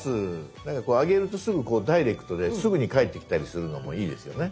なんかこうあげるとすぐこうダイレクトですぐに返ってきたりするのもいいですよね。